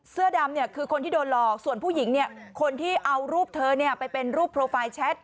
เสื้อดำเนี่ยคือคนที่โดนหลอกส่วนผู้หญิงเนี่ยคนที่เอารูปเธอไปเป็นรูปโปรไฟล์แชท